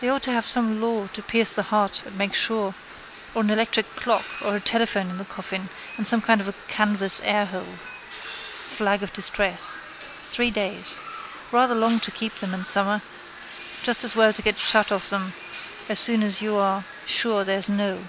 They ought to have some law to pierce the heart and make sure or an electric clock or a telephone in the coffin and some kind of a canvas airhole. Flag of distress. Three days. Rather long to keep them in summer. Just as well to get shut of them as soon as you are sure there's no.